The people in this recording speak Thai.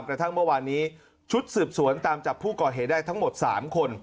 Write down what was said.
กระทั่งเมื่อวานนี้ชุดสืบสวนตามจับผู้ก่อเหตุได้ทั้งหมด๓คน